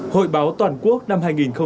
hội báo toàn quốc năm hai nghìn hai mươi